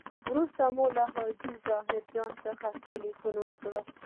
وروسته مو حاجي ظاهر جان ته تیلفون وکړ.